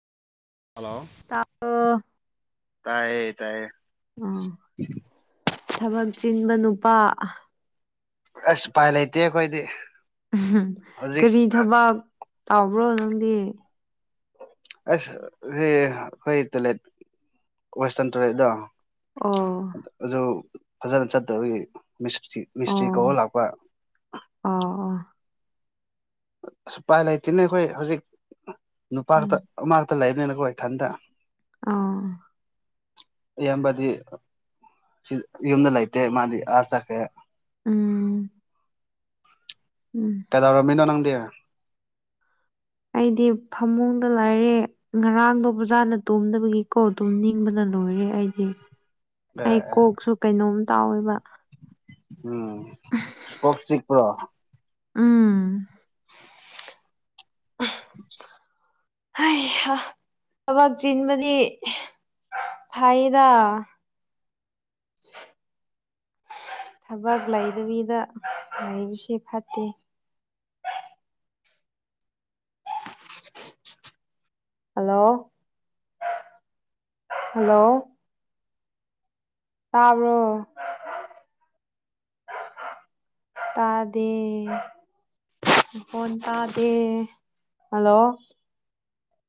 hello ꯇꯥꯕ꯭ꯔꯣ ꯇꯥꯏꯌꯦ ꯇꯥꯏꯌꯦ ꯑꯥ ꯊꯕꯛ ꯆꯤꯟꯕ ꯅꯨꯄꯥ ꯑꯁ ꯎꯄꯥꯏ ꯂꯩꯇꯦ ꯑꯩꯈꯣꯏꯗꯤ ꯎꯝ ꯍꯧꯖꯤꯛ ꯀꯔꯤ ꯊꯕꯛ ꯇꯧꯕ꯭ꯔꯣ ꯅꯪꯗꯤ ꯑꯁ ꯁꯤ ꯑꯩꯈꯣꯏ ꯇꯣꯏꯂꯦꯠ ꯋꯦꯁꯇ꯭ꯔꯔꯟ ꯇꯣꯏꯂꯦꯠꯇꯣ ꯑꯣ ꯑꯗꯨ ꯐꯖꯅ ꯆꯠꯇꯕꯒꯤ ꯃꯤꯁꯇ꯭ꯔꯤ ꯑꯣ ꯃꯤꯁꯇ꯭ꯔꯤ ꯀꯧꯕ ꯂꯥꯛꯄ ꯑꯣ ꯑꯣ ꯎꯄꯥꯏ ꯂꯩꯇꯦꯅꯦ ꯑꯩꯈꯣꯏ ꯍꯧꯖꯤꯛ ꯎꯝ ꯅꯨꯄꯥꯇ ꯑꯃꯛꯈꯛꯇ ꯂꯩꯕꯅꯤꯅꯀꯣ ꯏꯊꯟꯇ ꯑꯣ ꯏꯌꯥꯝꯕꯗꯤ ꯌꯨꯝꯗ ꯂꯩꯇꯦ ꯃꯥꯗꯤ ꯑꯥ ꯆꯠꯈ꯭ꯔꯦ ꯎꯝ ꯎꯝ ꯀꯩꯗꯔꯝꯃꯤꯅꯣ ꯅꯪꯗꯤ ꯑꯩꯗꯤ ꯐꯃꯨꯡꯗ ꯂꯩꯥꯏꯔꯦ ꯉꯔꯥꯡꯗꯣ ꯐꯖꯥꯅ ꯇꯨꯝꯗꯕꯒꯤꯀꯣ ꯇꯨꯝꯅꯤꯡꯕꯅ ꯂꯣꯏꯔꯦ ꯑꯩꯗꯤ ꯑꯩ ꯑꯦ ꯀꯣꯛꯁꯨ ꯀꯩꯅꯣꯝ ꯇꯧꯋꯦꯕ ꯑꯥ ꯀꯣꯛ ꯆꯤꯛꯄ꯭ꯔꯣ ꯎꯝ ꯍꯥꯏꯍꯥ ꯊꯕꯛ ꯆꯤꯟꯕꯗꯤ ꯐꯩꯌꯦꯗ ꯊꯕꯛ ꯂꯩꯗꯕꯤꯗ ꯂꯩꯕꯕꯁꯤ ꯐꯠꯇꯦ ꯍꯂꯣ ꯍꯂꯣ ꯇꯥꯕ꯭ꯔꯣ ꯇꯥꯗꯦ ꯃꯈꯣꯟ ꯇꯥꯗꯦ ꯍꯜꯂꯣ